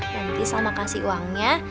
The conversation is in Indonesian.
nanti salma kasih uangnya